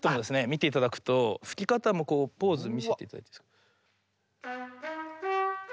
見て頂くと吹き方もこうポーズ見せて頂いていいですか。